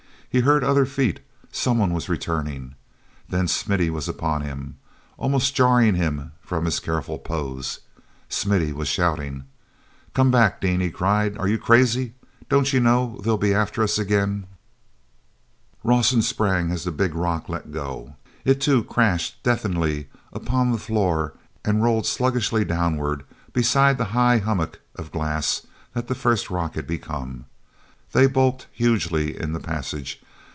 He heard other feet; someone was returning. Then Smithy was upon him, almost jarring him from his careful pose. Smithy was shouting. "Come back, Dean!" he cried. "Are you crazy? Don't you know they'll be after us again?" Rawson sprang as the big rock let go. It, too, crashed deafeningly upon the floor and rolled sluggishly downward beside the high hummock of glass that the first rock had become. They bulked hugely in the passage.